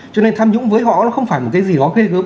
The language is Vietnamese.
cho nên tham nhũng với họ nó không phải một cái gì đó